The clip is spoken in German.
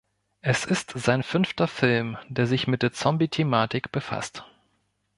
Es ist sein fünfter Film, der sich mit der Zombie-Thematik befasst.